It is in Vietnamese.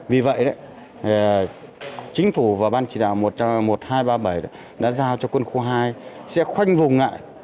vì vậy chính phủ và ban chỉ đạo một nghìn hai trăm ba mươi bảy đã giao cho quân khu hai sẽ khoanh vùng lại